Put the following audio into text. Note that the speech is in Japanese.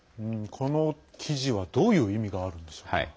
この記事はどういう意味があるんでしょうか。